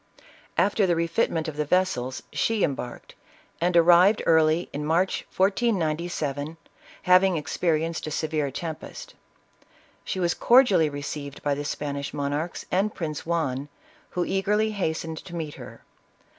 After the refitment of the vessels, she embarked, and arrived early in March 1497, having experienced a se vere tempest. She was cordially received by the Span ish monarchs and Prince Juan, who eagerly hastened to meet her.